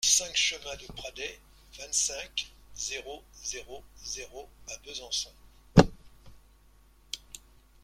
cinq chemin de Prabey, vingt-cinq, zéro zéro zéro à Besançon